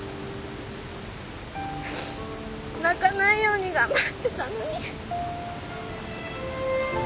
泣かないように頑張ってたのに。